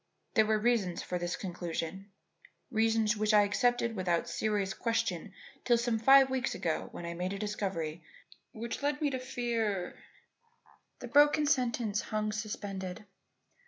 There were reasons for this conclusion reasons which I accepted without serious question till some five weeks ago when I made a discovery which led me to fear " The broken sentence hung suspended.